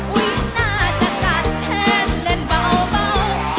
น่าจะกัดแทนเล่นเบา